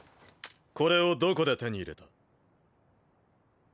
これをどこで手に入れた？